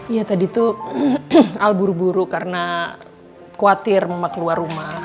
ya tadi tuh alburu buru karena khawatir mama keluar rumah